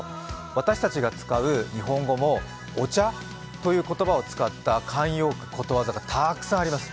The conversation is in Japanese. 私たちが使う日本語も「お茶」という言葉を使った慣用句、ことわざがたくさんあります。